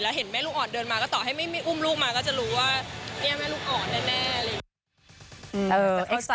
ถ้าเห็นแม่ลูกอ่อนเดินมาก็ตอบให้อุ้มลูกมาก็จะรู้ว่าแบบนี้แม่ลูกอ่อนแน่